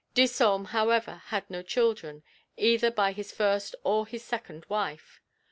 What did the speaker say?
Disome, however, had no children either by his first or his second wife.